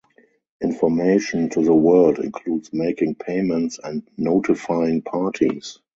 Information to the world includes making payments and notifying parties.